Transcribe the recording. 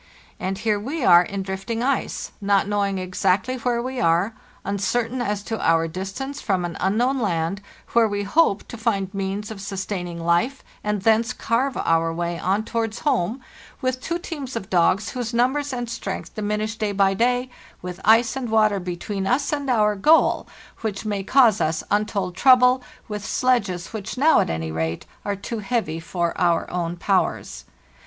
And here we are in drifting ice, not knowing exactly where we are, uncertain as to our distance from an unknown land, where we hope to find means of sustaining life and thence carve our way on towards home, with two teams of dogs whose numbers and strength diminish day by day, with ice and water between us and our goal which may cause us untold trouble, with sledges which now, at any rate, are too heavy for our own powers.